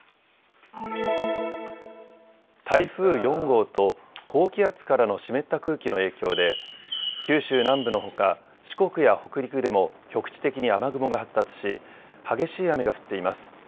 台風４号と高気圧からの湿った空気の影響で九州南部のほか四国や北陸でも局地的に雨雲が発達し激しい雨が降っています。